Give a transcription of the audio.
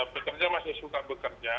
bekerja masih suka bekerja